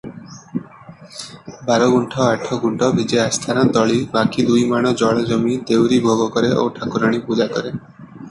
ବାରଗୁଣ୍ଠ ଆଠଗୁଣ୍ଠ ବିଜେ ଆସ୍ଥାନ ତଳି ବାକି ଦୁଇମାଣ ଜଳଜମି, ଦେଉରୀ ଭୋଗକରେ ଓ ଠାକୁରାଣୀ ପୂଜାକରେ ।